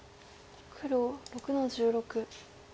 黒６の十六。